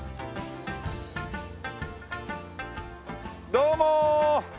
どうも！